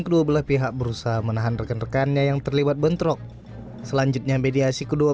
kedua belah pihak berusaha menahan rekan rekannya yang terlibat bentrok selanjutnya mediasi kedua